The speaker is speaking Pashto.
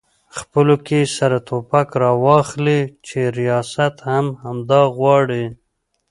خپلو کې سره ټوپک راواخلي چې ریاست هم همدا غواړي؟